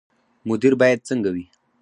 مدیر باید څنګه وي؟